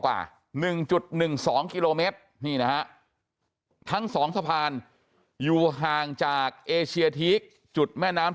กว่า๑๑๒กิโลเมตรนี่นะฮะทั้ง๒สะพานอยู่ห่างจากเอเชียทีกจุดแม่น้ำ